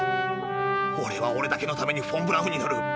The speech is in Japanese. オレはオレだけのためにフォン・ブラウンに乗る。